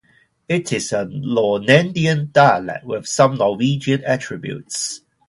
It is a Norrlandian dialect with some Norwegian attributes.